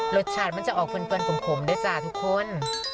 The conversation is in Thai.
รสชาติมันจะออกเพลินผมได้จ้าทุกคน